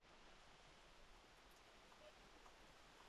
她认为女性的教育程度应当相称于她们的社会地位。